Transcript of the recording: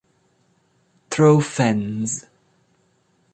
Trofense.